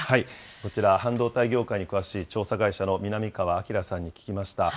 こちら、半導体業界に詳しい、調査会社の南川明さんに聞きました。